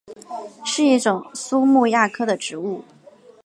是一种苏木亚科的植物。